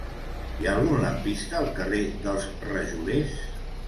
Hi ha algun lampista al carrer dels Rajolers?